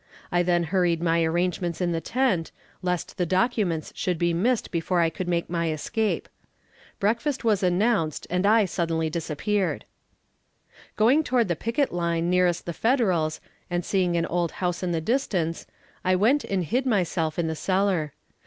I then hurried my arrangements in the tent, lest the documents should be missed before I could make my escape. Breakfast was announced, and I suddenly disappeared. Going toward the picket line nearest the Federals, and seeing an old house in the distance, I went and hid myself in the cellar.